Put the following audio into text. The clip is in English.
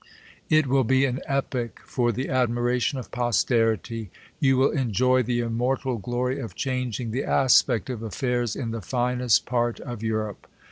U will be an epoch for the admiration of posterity ; yoti will enjoy the immortal glory of changing the aspect of affairs in the finest part of Europe.